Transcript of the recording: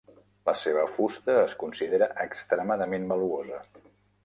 La seva fusta es considera extremadament valuosa.